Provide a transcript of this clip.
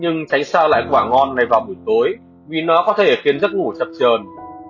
nhưng tránh xa lại quả ngon này vào buổi tối vì nó có thể khiến chất ngủ chậm chờn